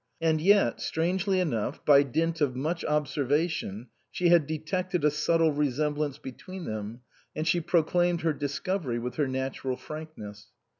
And yet, strangely enough, by dint of much observation she had detected a subtle resemblance between them, and she proclaimed her discovery with her natural frankness.